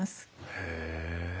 へえ。